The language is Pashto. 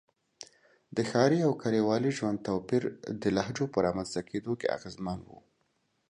د ښاري او کلیوالي ژوند توپیر د لهجو په رامنځته کېدو کې اغېزمن و.